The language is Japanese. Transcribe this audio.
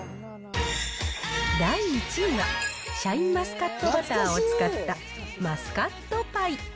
第１位は、シャインマスカットバターを使ったマスカットパイ。